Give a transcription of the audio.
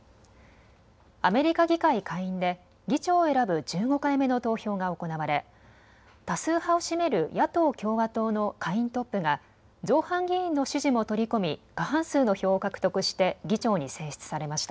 アメリカ議会下院で議長を選ぶ１５回目の投票が行われ多数派を占める野党・共和党の下院トップが造反議員の支持も取り込み過半数の票を獲得して議長に選出されました。